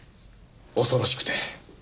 恐ろしくて。